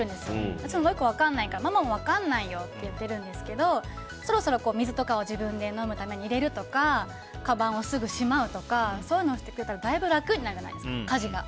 私も分からないからママも分かんないよ！って言ってるんですけどそろそろ水を自分で飲むために入れるとかかばんをすぐしまうとかそういうのしてくれたらだいぶ楽になるじゃないですか家事が。